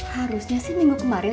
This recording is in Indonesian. harusnya sih minggu kemarin